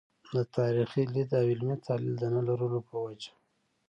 د تاریخي لید او علمي تحلیل د نه لرلو په وجه.